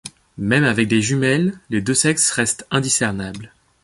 Même avec des jumelles, les deux sexes restent indiscernables.